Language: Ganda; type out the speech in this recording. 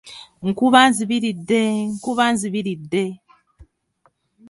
"Nkuba nzibiridde, nkuba nzibiridde."